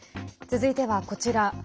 続いては、こちら。